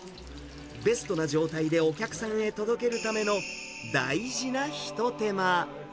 ベストな状態でお客さんへ届けるための大事な一手間。